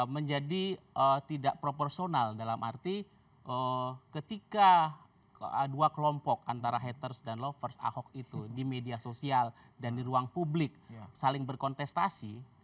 menjadi tidak proporsional dalam arti ketika dua kelompok antara haters dan lovers ahok itu di media sosial dan di ruang publik saling berkontestasi